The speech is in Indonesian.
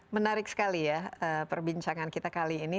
menarik sekali ya perbincangan kita kali ini